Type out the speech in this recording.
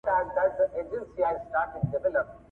کله چي د اوسني افغانستان بنسټګر